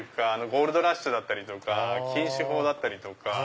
ゴールドラッシュだったりとか禁酒法だったりとか。